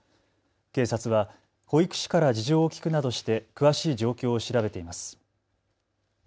警察は保育士から事情を聞くなどして詳しい状況を調べています。